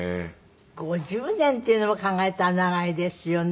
５０年っていうのも考えたら長いですよね